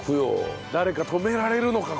誰か止められるのか？